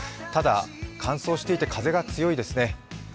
ただ、乾燥していて風が強いですね